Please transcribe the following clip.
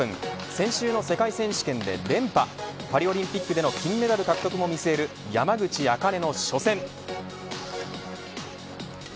先週の世界選手権で連覇パリオリンピックでの金メダル獲得を見据える山口茜の初戦。